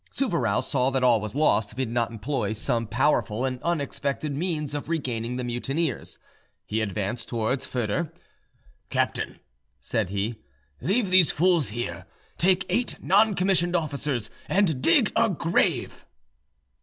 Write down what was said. Souvarow saw that all was lost if he did not employ some powerful and unexpected means of regaining the mutineers. He advanced towards Foedor. "Captain," said he, "leave these fools here, take eight non commissioned officers and dig a grave."